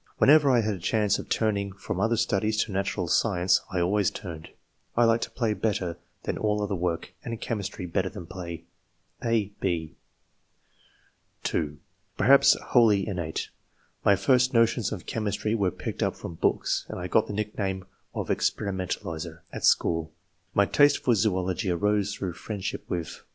Whenever I had a chance of turning from other studies to natural science, I always turned. I liked ])hiy l)etter than all other work, and chemistry better than play." (a, h) (2) '* Perhaps wholly innate. My first no tions of cliemistry were picked up from books, and I got the nickname of * experimentalizer ' at school. My taste for zoology arose through friendsliip with